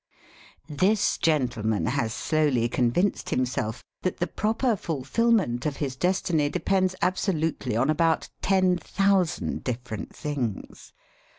This gentleman has slowly convinced himself that the proper fulfilment of his destiny depends absolutely upon about ten thousand different things.